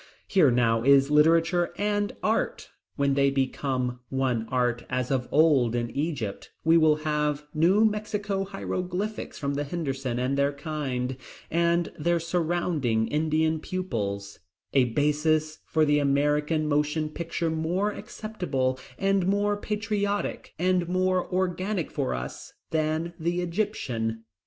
Here now is literature and art. When they become one art as of old in Egypt, we will have New Mexico Hieroglyphics from the Hendersons and their kind, and their surrounding Indian pupils, a basis for the American Motion Picture more acceptable, and more patriotic, and more organic for us than the Egyptian.